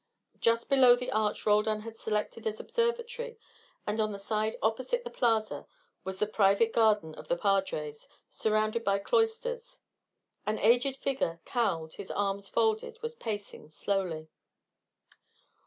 Just beneath the arch Roldan had selected as observatory, and on the side opposite the plaza was the private garden of the padres, surrounded by cloisters. An aged figure, cowled, his arms folded, was pacing slowly.